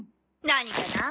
何かな？